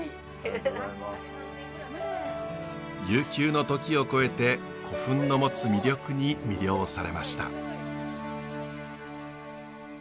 悠久の時を超えて古墳の持つ魅力に魅了されました。